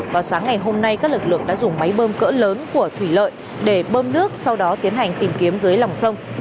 vào sáng ngày hôm nay các lực lượng đã dùng máy bơm cỡ lớn của thủy lợi để bơm nước sau đó tiến hành tìm kiếm dưới lòng sông